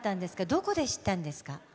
どこで知ったんですか？